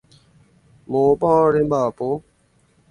Moõpa remba'apo.